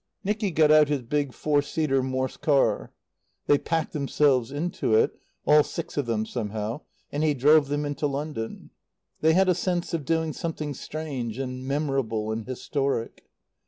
Nicky got out his big four seater Morss car. They packed themselves into it, all six of them somehow, and he drove them into London. They had a sense of doing something strange and memorable and historic.